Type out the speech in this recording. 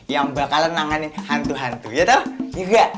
yang bakalan nangani hantu hantu ya tau juga